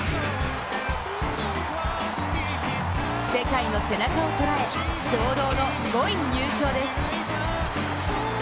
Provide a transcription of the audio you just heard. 世界の背中を捉え堂々の５位入賞です。